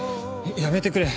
やめてくれ。